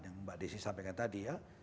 yang mbak desi sampaikan tadi ya